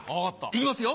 いきますよ